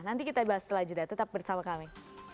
nanti kita bahas setelah jeda tetap bersama kami